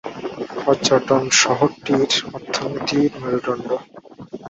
পর্যটন শহরটির অর্থনীতির মেরুদণ্ড।